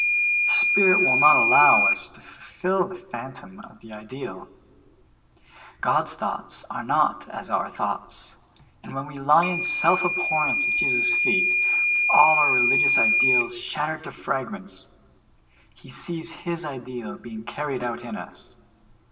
The Spirit will not allow us to fill the phantom of the ideal. God's thoughts are not as our thoughts, and when we lie in self abhor rence at Jesus' feet, with all our religious ideals shat 48 SOUL FOOD. tered to fragments, He sees His ideal being carried out in us.